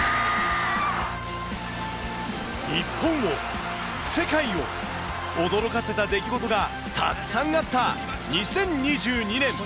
日本を、世界を、驚かせた出来事がたくさんあった２０２２年。